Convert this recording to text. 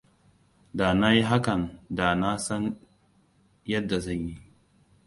Da na yi hakan da na san yadda zan yi.